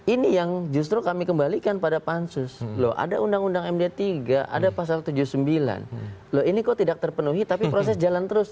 ini yang justru kami kembalikan pada pansus loh ada undang undang md tiga ada pasal tujuh puluh sembilan loh ini kok tidak terpenuhi tapi proses jalan terus